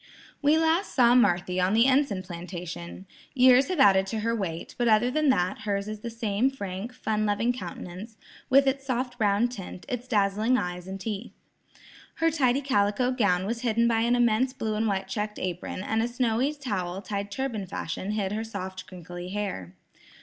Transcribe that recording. We last saw Marthy on the Enson plantation. Years have added to her weight, but other than that, hers is the same frank, fun loving countenance, with its soft brown tint, its dazzling eyes and teeth. Her tidy calico gown was hidden by an immense blue and white checked apron, and a snowy towel tied turban fashion hid her soft crinkly hair.